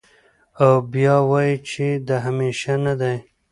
او بيا وائې چې د همېشه نۀ دے